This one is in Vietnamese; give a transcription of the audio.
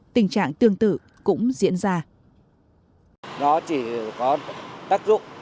tình trạng tương tự cũng diễn ra